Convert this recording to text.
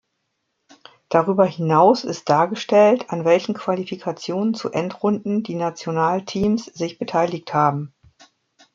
Darüber hinaus ist dargestellt, an welchen Qualifikationen zu Endrunden die Nationalteams sich beteiligt haben.